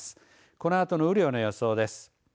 このあとの雨量の予想です。